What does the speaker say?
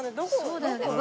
そうだよね。